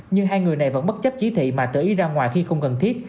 nhưng hai người này vẫn bất chấp chỉ thị mà tự ý ra ngoài khi không cần thiết